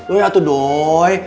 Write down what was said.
aduh atuh doi